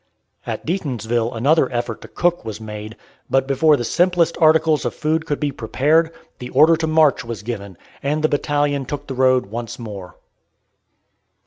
At Deatonsville another effort to cook was made, but before the simplest articles of food could be prepared, the order to march was given, and the battalion took the road once more.